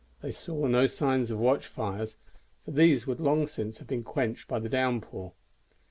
They saw no signs of watch fires, for these would long since have been quenched by the downpour.